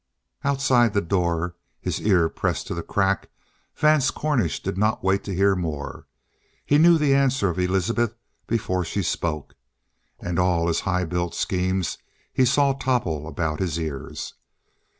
Outside the door, his ear pressed to the crack, Vance Cornish did not wait to hear more. He knew the answer of Elizabeth before she spoke. And all his high built schemes he saw topple about his ears.